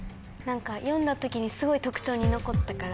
読んだ時にすごい特徴に残ったから。